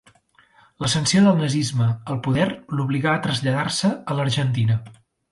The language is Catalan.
L'ascensió del nazisme al poder l'obligà a traslladar-se a l'Argentina.